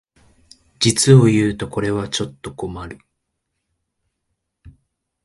実をいうとこれはちょっと困る